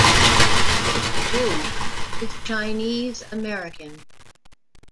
Wu is Chinese American.